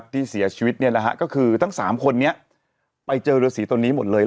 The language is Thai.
ที่เสียชีวิตก็คือทั้ง๓คนนี้ไปเจอเรือสีตัวนี้หมดเลย